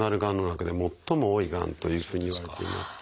中で最も多いがんというふうにいわれています。